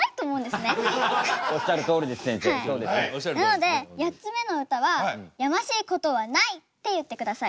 なので８つ目の歌は「やましいことはない」って言ってください。